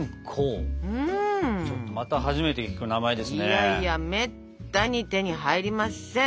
いやいやめったに手に入りません。